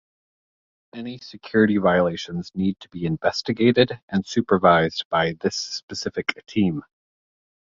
Any security violations need to be investigated and supervised by this specific team.